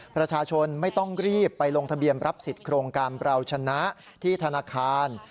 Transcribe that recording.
ประชาชนไม่ต้องรีบไปลงทะเบียนรับสิทธิ์โครงการเราชนะที่ธนาคาร